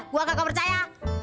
gue gak kau percaya